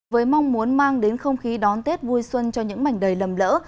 với mong muốn mang đến không khí đón tết vui xuân cho những mảnh đầy lầm lỡ